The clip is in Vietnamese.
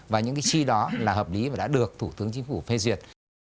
và những cái chi đó là hợp lý và đã được thủ tướng chính phủ phê duyệt